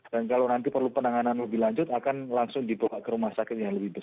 dan kalau nanti perlu penanganan lebih lanjut akan langsung dibawa ke rumah sakitnya